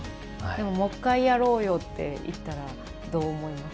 でももう１回やろうよって言ったらどう思います？